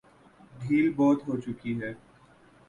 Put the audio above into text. ڈھیل بہت ہو چکی۔